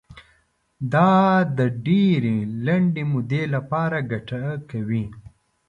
دا د ډېرې لنډې مودې لپاره ګټه کوي.